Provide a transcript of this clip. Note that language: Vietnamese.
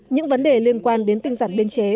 những vấn đề liên quan đến tinh giản biên chế